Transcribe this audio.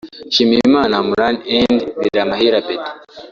Nshimiyimana Amran and Biramahire Abeddy